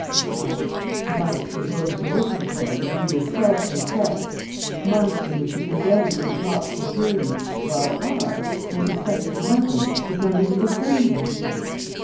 Aha! Months devoted to looking for it, as you yourself confess! Months in which you turned everything topsy turvy, while I, who suspected nothing, did not even defend myself!